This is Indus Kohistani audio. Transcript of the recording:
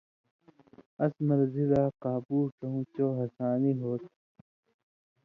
اَس مرضی لا قابُو ڇؤں چو ہسانی ہو تُھو